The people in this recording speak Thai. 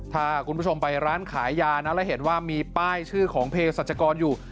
ถ้าคุณผู้ชมไปร้านขายยานะแล้วเห็นว่ามีป้ายชื่อของเพศรัชกรอยู่